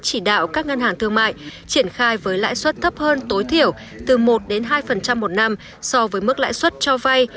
chỉ đạo các ngân hàng thương mại triển khai với lãi suất thấp hơn tối thiểu từ một hai một năm so với mức lãi suất cho vay